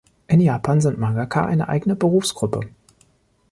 In Japan sind "Mangaka" eine eigene Berufsgruppe.